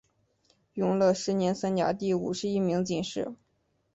永乐十年三甲第五十一名进士。